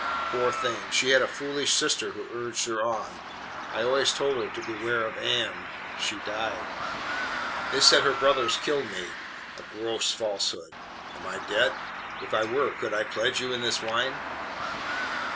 Poor thing! she had a foolish sister who urged her on. I always told her to beware of Ann. She died. They said her brothers killed me. A gross falsehood. AM I dead? If I were, could I pledge you in this wine?"